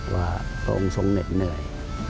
ว่าพระองค์ทรงเหน็ดเหนื่อย